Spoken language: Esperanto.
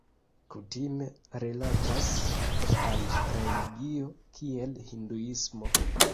Kutime rilatas al religio, kiel Hinduismo.